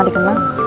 udah tau mas